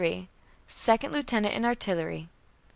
Second lieutenant in artillery.